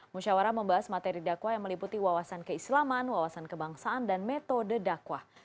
musyawarah membahas materi dakwah yang meliputi wawasan keislaman wawasan kebangsaan dan metode dakwah